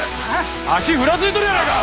足ふらついとるやないか！